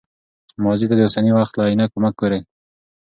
ماضي ته د اوسني وخت له عینکو مه ګورئ.